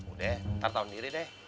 udah ntar tau sendiri deh